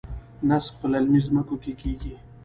نسک په للمي ځمکو کې کیږي.